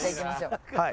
はい。